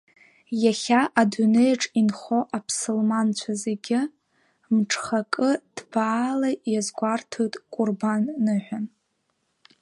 Иахьа адунеиаҿ инхо апсылманцәа зегьы мҽхакы ҭбаала иазгәарҭоит Кәырбан-ныҳәа.